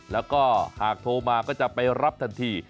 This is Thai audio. แล้วก็หากโทรมาก็จะไปรับทันที